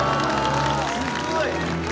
すっごい！